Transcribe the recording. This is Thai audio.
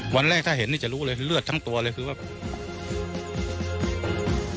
วันแรกถ้าเห็นนี่จะรู้เลยเลือดทั้งตัวเลยคือว่า